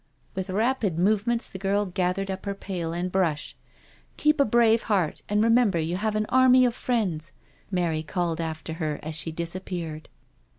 With rapid movements the girl gathered up her. pail and brush. " Keep a brave heart, and remember you have an army of friends," Mary called after her as she dis appeared.